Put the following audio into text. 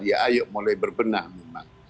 ya ayo mulai berbenah memang